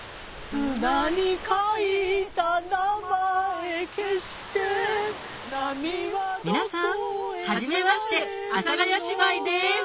砂に書いた名前消して皆さんはじめまして阿佐ヶ谷姉妹です